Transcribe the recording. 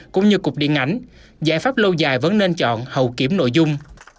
cũng như cuộc điện ảnh giải pháp lâu dài vẫn nên chọn hậu kiểm nội dung